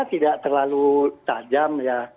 tidak terlalu tajam ya